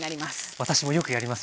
私もよくやります